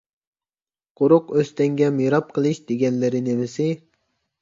قۇرۇق ئۆستەڭگە مىراب قىلىش دېگەنلىرى نېمىسى؟